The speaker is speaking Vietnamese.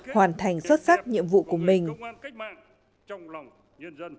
hoàn thành xuất sắc nhiệm vụ của mình